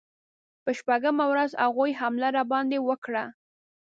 په شپږمه ورځ هغوی حمله راباندې وکړه.